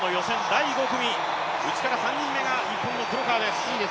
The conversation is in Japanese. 第５組内から３人目が日本の黒川です。